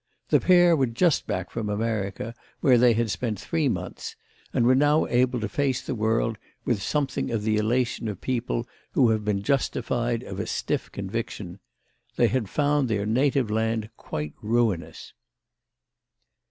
The pair were just back from America, where they had spent three months, and now were able to face the world with something of the elation of people who have been justified of a stiff conviction. They had found their native land quite ruinous.